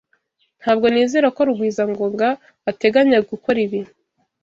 Ntabwo nizera ko Rugwizangoga ateganya gukora ibi.